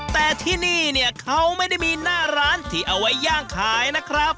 แต่ที่นี่เนี่ยเขาไม่ได้มีหน้าร้านที่เอาไว้ย่างขายนะครับ